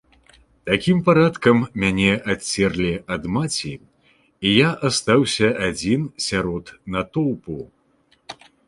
Такім парадкам мяне адцерлі ад маці, і я астаўся адзін сярод натоўпу.